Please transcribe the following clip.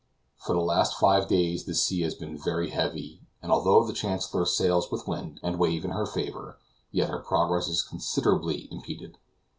For the last five days the sea has been very heavy, and although the Chancellor sails with wind and wave in her favor, yet her progress is considerably impeded.